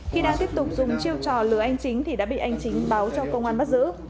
khi đang tiếp tục dùng chiêu trò lừa anh chính thì đã bị anh chính báo cho công an bắt giữ